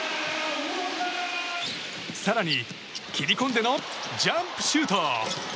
更に切り込んでのジャンプシュート！